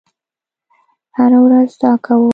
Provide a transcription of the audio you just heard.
هره ورځ دا کوم